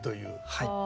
はい。